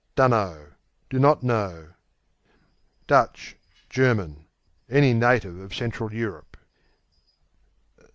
Dunno Do not know. Dutch German; any native of Central Europe.